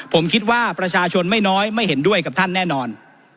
ผมคิดว่าประชาชนไม่น้อยไม่เห็นด้วยกับท่านแน่นอน